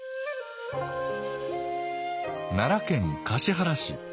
奈良県橿原市。